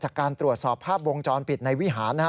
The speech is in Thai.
จากการตรวจสอบภาพวงจรปิดในวิหารนะฮะ